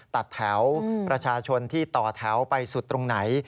ตัดแถวประชาชนที่ต่อแถวไปสุดตรงไหน